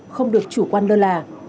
không được chủ quan lơ là